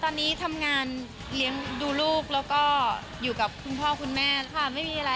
อ๋อตอนนี้ทำงานดูลูกอยู่กับคุณพ่อคุณแม่ก็ไม่มีอะไร